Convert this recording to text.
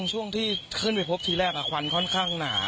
ช่วงที่ขึ้นไปพบทีแรกควันค่อนข้างหนา